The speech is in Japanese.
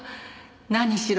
何しろ